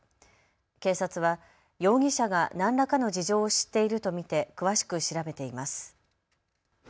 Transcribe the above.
警察は容疑者が何らかの事情を知っていると見て詳しく調べています。